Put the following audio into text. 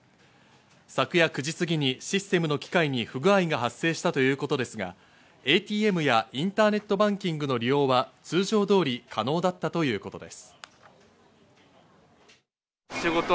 昨夜９時すぎにシステムの機械に不具合が発生したということですが、ＡＴＭやインターネットバンキングの利用は通常通り可能だったということです。